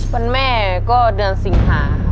วันแม่ก็เดือนสิงหาค่ะ